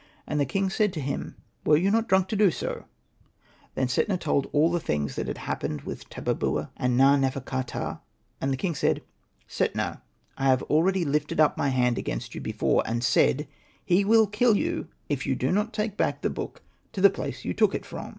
And the king said to him, '' Were you not drunk to do so ?" Then Setna told all things that had happened with Tabubua and Na.nefer. ka.ptah. And the king said, ''Setna, I have already lifted up my hand against you before, and said, ' He will kill you if you do not take back the book to the place you took it from.'